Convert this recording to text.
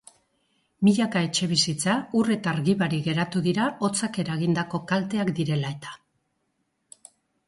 Milaka etxebizitza ur eta argi barik geratu dira hotzak eragindako kalteak direla eta.